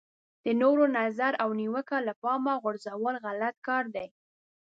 د نورو نظر او نیوکه له پامه غورځول غلط کار دی.